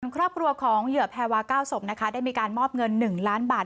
ครอบครัวของเหยื่อแพรวา๙ศพนะคะได้มีการมอบเงิน๑ล้านบาท